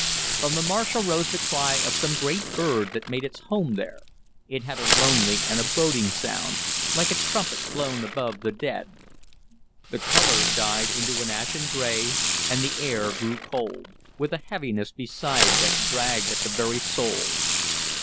From the marsh arose the cry of some great bird that made its home there; it had a lonely and a boding sound, like a trumpet blown above the dead. The color died into an ashen gray and the air grew cold, with a heaviness beside that dragged at the very soul.